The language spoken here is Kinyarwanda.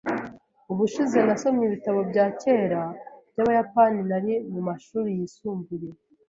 Ubushize nasomye ibitabo bya kera byabayapani nari mumashuri yisumbuye.